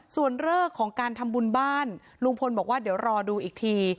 ส่วนเลิกของการทำบุญบ้านลุงพลบอกว่าเดี๋ยวรอดูอีกที